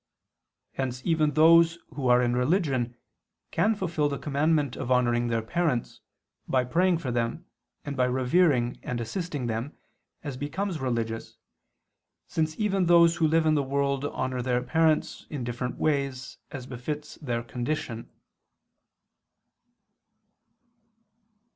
Hence even those who are in religion can fulfil the commandment of honoring their parents, by praying for them and by revering and assisting them, as becomes religious, since even those who live in the world honor their parents in different ways as befits their condition.